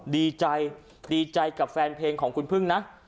ดีใจดีใจกับแฟนเพลงของคุณพึ่งนะ